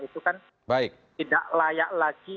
itu kan tidak layak lagi